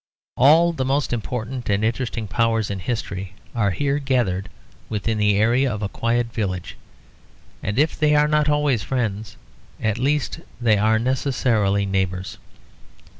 All the most important and interesting powers in history are here gathered within the area of a quiet village; and if they are not always friends, at least they are necessarily neighbours.